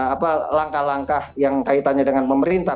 apa langkah langkah yang kaitannya dengan pemerintah